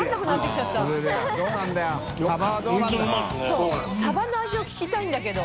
そうサバの味を聞きたいんだけど。